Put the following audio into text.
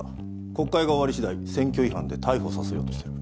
国会が終わりしだい選挙違反で逮捕させようとしてる。